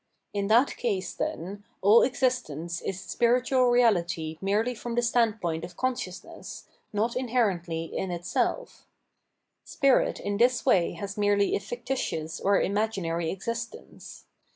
In that case, then, all exist ence is spiritual reality merely from the standpoint of consciousness, not inherently in itself. Spirit in this way has merely a fictitious or imaginary existence.